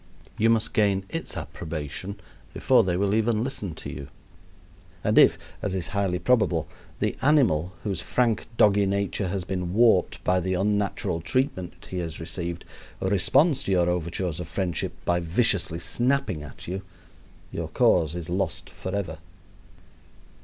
You must gain its approbation before they will even listen to you, and if, as is highly probable, the animal, whose frank, doggy nature has been warped by the unnatural treatment he has received, responds to your overtures of friendship by viciously snapping at you, your cause is lost forever.